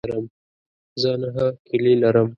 زه نهه کیلې لرم.